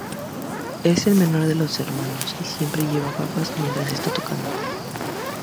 Es el menor de los hermanos y siempre lleva gafas mientras está tocando.